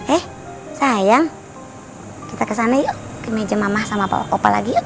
eh sayang kita kesana yuk ke meja mama sama papa kopa lagi yuk